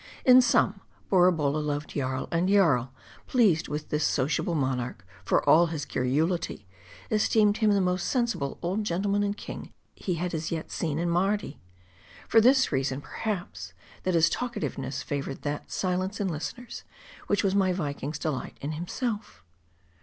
In sum; Borabolla loved Jarl ; and Jarl, pleased with this sociable monarch, for all his garrulity, esteemed him the most sensible old gentleman and king he had as yet seen in Mardi. For this reason, perhaps ; that his talkativeness favored that silence in listeners, which was my Viking's de light in himself.